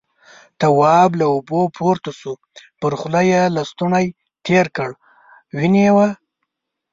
تواب له اوبو پورته شو، پر خوله يې لستوڼی تېر کړ، وينې وه.